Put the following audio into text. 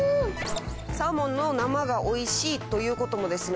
サーモンの生がおいしいということもですね